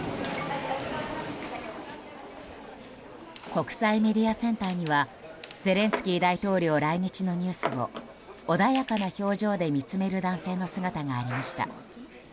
国際メディアセンターにはゼレンスキー大統領来日のニュースを穏やかな表情で見つめる男性の姿がありました。